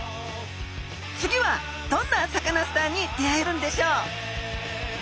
次はどんなサカナスターに出会えるんでしょう？